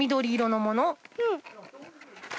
うん！